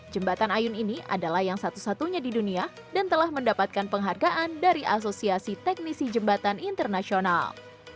jembatan ayun ini adalah yang satu satunya di dunia dan telah mendapatkan penghargaan dari asosiasi teknisi jembatan internasional